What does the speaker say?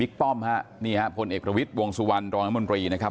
บิ๊กป้อมค่ะนี่ฮะพลเอกรวิทย์วงสุวรรณตรงนั้นมนตรีนะครับ